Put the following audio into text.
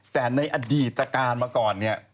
แต่ในอดีตการมาก่อน